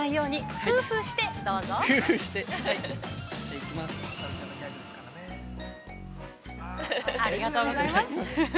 フーフー◆ありがとうございます。